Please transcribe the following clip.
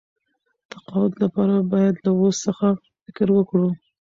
تقاعد لپاره باید له اوس څخه فکر وکړو.